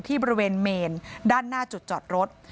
บริเวณเมนด้านหน้าจุดจอดรถ